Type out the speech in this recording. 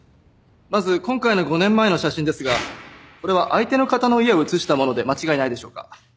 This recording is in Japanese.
まず今回の５年前の写真ですがこれは相手の方の家を写した物で間違いないでしょうか？